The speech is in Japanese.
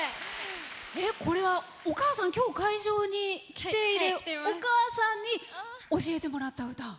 これは今日、会場に来ているお母さんに教えてもらった歌。